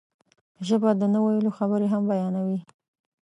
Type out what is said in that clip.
ژبه د نه ویلو خبرې هم بیانوي